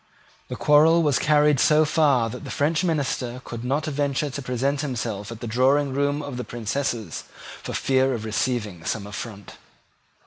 The quarrel was carried so far that the French minister could not venture to present himself at the drawing room of the Princess for fear of receiving some affront.